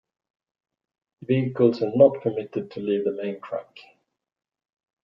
Vehicles are not permitted to leave the main track.